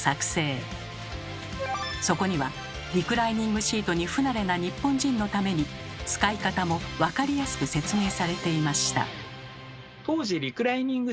そこにはリクライニングシートに不慣れな日本人のために使い方も分かりやすく説明されていました。